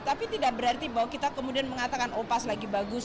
tapi tidak berarti bahwa kita kemudian mengatakan opas lagi bagus